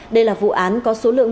đây là vụ án có số lượng